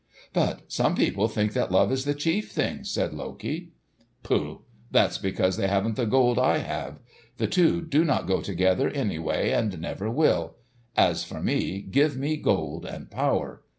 "But some people think that love is the chief thing," said Loki. "Pooh! that's because they haven't the gold I have. The two do not go together anyway, and never will. As for me, give me gold and power."